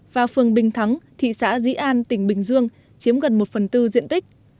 và phường bình thắng thị xã dĩ an tỉnh bình dương chiếm gần một phần tư diện tích